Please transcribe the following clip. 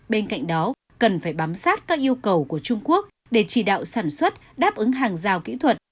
bên cạnh đó cần phải bám sát các yêu cầu của trung quốc để chỉ đạo sản xuất đáp ứng hàng rào kỹ thuật